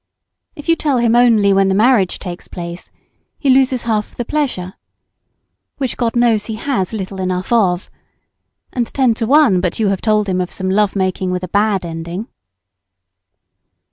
If you tell him only when the marriage takes place, he loses half the pleasure, which God knows he has little enough of; and ten to one but you have told him of some love making with a bad ending.